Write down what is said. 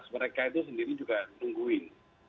mereka itu sendiri juga nungguin